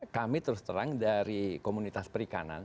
kami terus terang dari komunitas perikanan